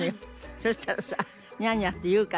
そしたらさ「ニャーニャー」って言うから。